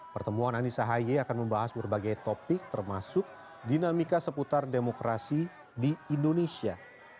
pertemuan anies ahaye akan membahas berbagai topik termasuk dinamika seputar demokrasi di indonesia